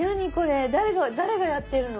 誰が誰がやってるの？